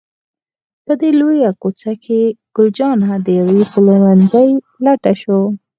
په دې لویه کوڅه کې، ګل جانه د یوه پلورنځي په لټه شوه.